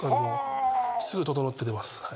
すぐ整って出ます。